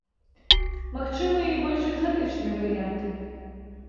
Магчымыя і больш экзатычныя варыянты.